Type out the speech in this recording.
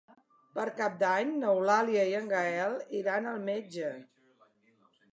Per Cap d'Any n'Eulàlia i en Gaël iran al metge.